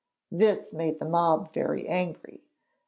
This made the mob very angry.